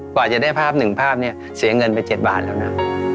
กว่าจะได้ภาพหนึ่งภาพเนี่ยเสียเงินไป๗บาทแล้วนะ